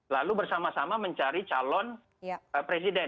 lalu bersama sama mencari calon presiden